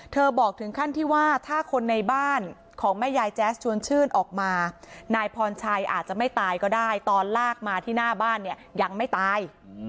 บอกถึงขั้นที่ว่าถ้าคนในบ้านของแม่ยายแจ๊สชวนชื่นออกมานายพรชัยอาจจะไม่ตายก็ได้ตอนลากมาที่หน้าบ้านเนี่ยยังไม่ตาย